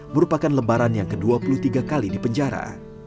merupakan lebaran yang ke dua puluh tiga kali dipenjara